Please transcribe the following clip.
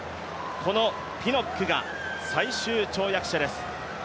このピノックが最終跳躍者です。